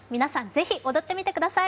ぜひ踊ってみてください。